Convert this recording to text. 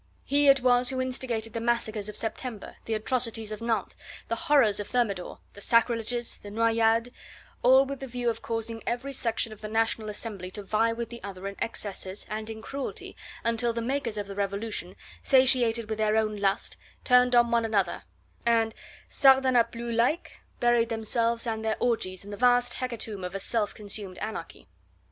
He it was who instigated the massacres of September, the atrocities of Nantes, the horrors of Thermidor, the sacrileges, the noyades: all with the view of causing every section of the National Assembly to vie with the other in excesses and in cruelty, until the makers of the Revolution, satiated with their own lust, turned on one another, and Sardanapalus like buried themselves and their orgies in the vast hecatomb of a self consumed anarchy.